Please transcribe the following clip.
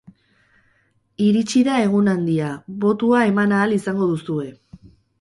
Iritsi da egun handia, botua eman ahal izango duzue.